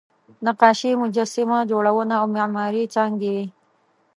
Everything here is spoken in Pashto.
نقاشي، مجسمه جوړونه او معماري یې څانګې وې.